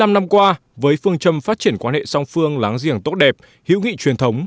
bảy mươi năm năm qua với phương châm phát triển quan hệ song phương láng giềng tốt đẹp hữu nghị truyền thống